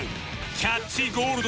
キャッチゴールド。